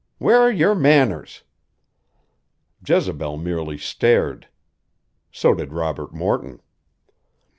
Where are your manners?" Jezebel merely stared. So did Robert Morton.